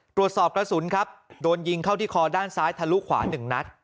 ตรวจสอบกระสุนครับโดนยิงเข้าที่คอด้านซ้ายทะลุขวา๑นัด